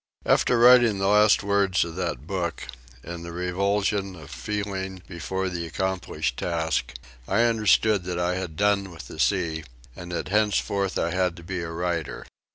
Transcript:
After writing the last words of that book, in the revulsion of feeling before the accomplished task, I understood that I had done with the sea, and that henceforth I had to be a writer.